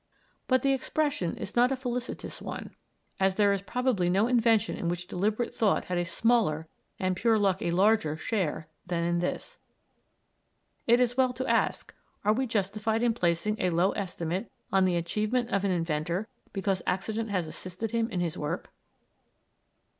But the expression is not a felicitous one, as there is probably no invention in which deliberate thought had a smaller, and pure luck a larger, share than in this. It is well to ask, Are we justified in placing a low estimate on the achievement of an inventor because accident has assisted him in his work?